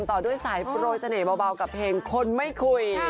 ต่อด้วยสายโปรยเสน่หเบากับเพลงคนไม่คุย